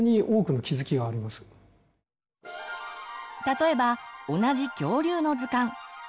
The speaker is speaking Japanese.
例えば同じ恐竜の図鑑。